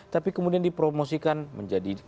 tapi kemudian dipromosikan menjadi